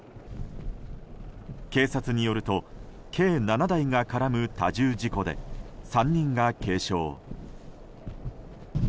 警察によると計７台が絡む多重事故で３人が軽傷。